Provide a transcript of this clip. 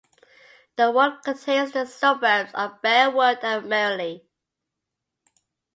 The ward contains the suburbs of Bearwood and Merley.